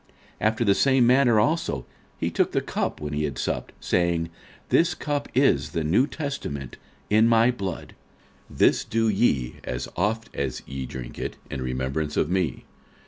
46:011:025 After the same manner also he took the cup, when he had supped, saying, This cup is the new testament in my blood: this do ye, as oft as ye drink it, in remembrance of me.